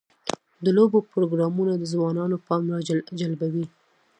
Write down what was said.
د لوبو پروګرامونه د ځوانانو پام راجلبوي.